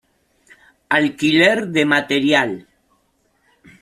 Alquiler de material.